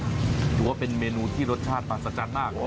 ดูว่าเป็นเมนูที่รสชาติปลาศักดิ์จันทร์มาก